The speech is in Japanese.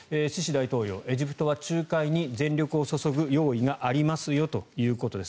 大統領エジプトは仲介に全力を注ぐ用意がありますよということです。